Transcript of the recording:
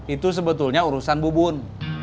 itu sebetulnya urusan bubun